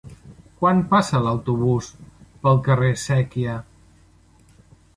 Quan passa l'autobús pel carrer Sèquia?